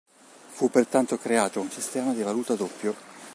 Fu pertanto creato un sistema di valuta doppio.